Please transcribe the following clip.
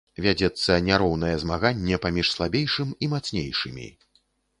Вядзецца няроўнае змаганне паміж слабейшым і мацнейшымі.